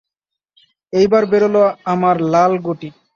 এইবার বেরোলো আমার লাল গুটি।